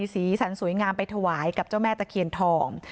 สีสันสวยงามไปถวายกับเจ้าแม่ตะเคียนทอง